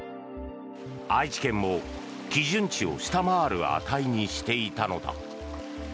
愛知県も基準値を下回る値にしていたのだ。